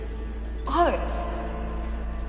はい